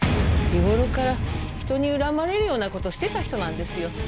日頃から人に恨まれるようなことしてた人なんですよ。